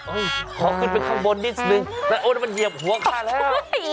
อุ๊ยขอกึ้งไปข้างบนนิดนึงแล้วมันเหยียบหัวข้าเลยเนี่ย